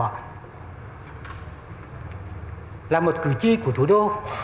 chúng tôi là một cử tri của thủ đô